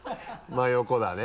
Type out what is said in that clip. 真横だね。